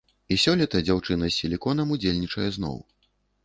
І сёлета дзяўчына з сіліконам удзельнічае зноў.